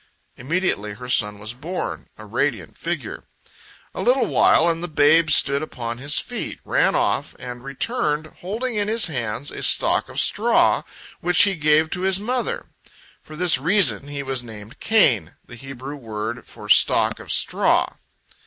Immediately her son was born, a radiant figure. A little while and the babe stood upon his feet, ran off, and returned holding in his hands a stalk of straw, which he gave to his mother. For this reason he was named Cain, the Hebrew word for stalk of straw.